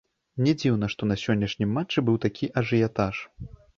Не дзіўна, што на сённяшнім матчы быў такі ажыятаж.